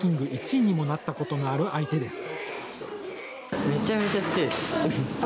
１位にもなったことのある相手です。